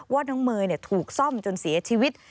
ว่าน้องเมย์ถูกซ่อมจนเสียชีวิต